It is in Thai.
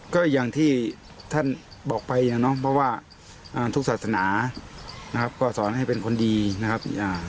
ก็อย่างที่ท่านบอกไปอ่ะเนาะเพราะว่าทุกศาสนานะครับก็สอนให้เป็นคนดีนะครับอ่า